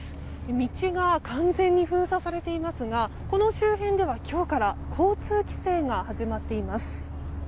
道が完全に封鎖されていますがこの周辺では今日から交通規制が始まっています。